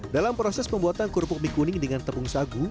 dalam proses pembuatan kerupuk mie kuning dengan tepung sagu